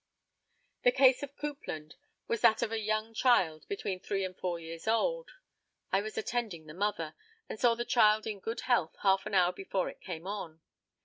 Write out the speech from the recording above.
The case of Coupland was that of a young child between three and four years old. I was attending the mother, and saw the child in good health half an hour before it came on.